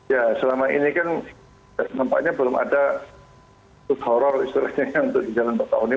ya selama ini kan nampaknya belum ada horror istilahnya yang terjadi di jalan bakahuni